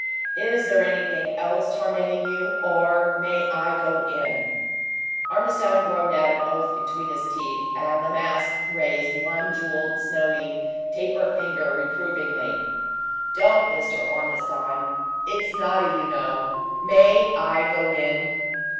Is there anything else tormenting you, or may I go in?" Ormiston groaned out an oath between his teeth, and La Masque raised one jeweled, snowy taper finger, reprovingly. "Don't Mr. Ormiston it's naughty, you know! May I go in?"